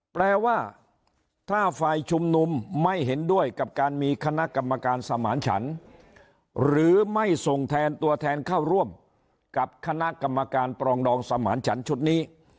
แปลว่าถ้าฝ่ายชุมนุมไม่เห็นด้วยกับการมีคณะกรรมการสมานฉันหรือไม่ส่งแทนตัวแทนเข้าร่วมกับคณะกรรมการปรองดองสมานฉันชุดนี้